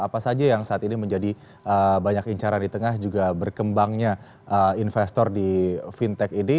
apa saja yang saat ini menjadi banyak incaran di tengah juga berkembangnya investor di fintech ini